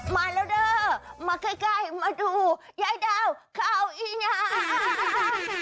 มาแล้วเด้อมาใกล้มาดูยายดาวข้าวอีนา